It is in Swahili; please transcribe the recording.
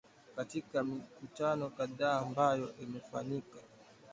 katika mikutano kadhaa ambayo imefanyika